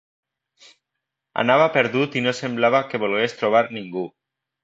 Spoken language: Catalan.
Anava perdut i no semblava que volgués trobar ningú.